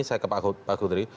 saya ke pak kudri